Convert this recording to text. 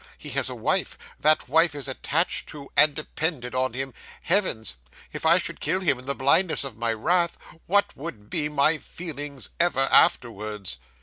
He has a wife; that wife is attached to, and dependent on him. Heavens! If I should kill him in the blindness of my wrath, what would be my feelings ever afterwards!